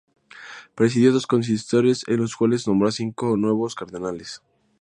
Presidió dos consistorios en los cuales nombró a cinco nuevos cardenales.